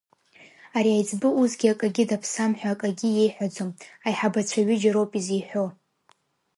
Ари аиҵбы усгьы акагьы даԥсам ҳәа акагьы иеиҳәаӡом, аиҳабацәа ҩыџьа роуп изеиҳәо.